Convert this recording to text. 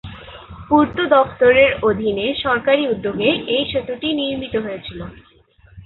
পূর্ত দফতরের অধীনে সরকারি উদ্যোগে এই সেতুটি নির্মিত হয়েছিল।